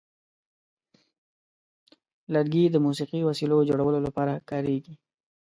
لرګي د موسیقي وسیلو جوړولو لپاره هم کارېږي.